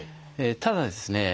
ただですね